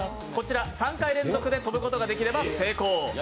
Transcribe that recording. ３回連続で跳ぶことができれば成功。